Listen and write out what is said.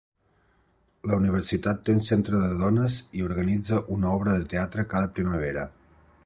La universitat té un centre de dones i organitza una obra de teatre cada primavera.